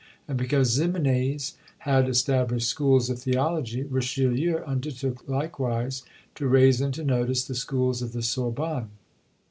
And because Ximenes had established schools of theology, Richelieu undertook likewise to raise into notice the schools of the Sorbonne.